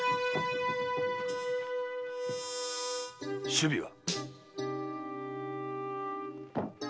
首尾は？